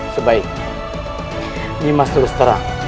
sebaiknya nimas terus terang